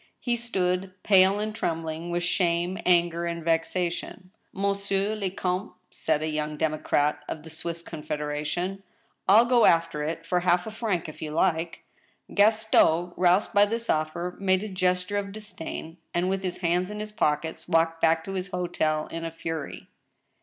He stood, pale and trembling with shame, anger, and vexa tion. " Monsieur le comte," said a young democrat of the Swiss Con federation, " ril go after it for half a franc, if you like." Gaston, roused by this offer, made a gesture of disdain, and, with his hands in his pockets, walked back to his hotel in a fury.